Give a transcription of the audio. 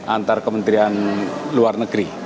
antar kementerian luar negeri